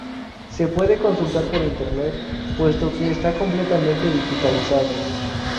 Se puede consultar por internet, puesto que está completamente digitalizado.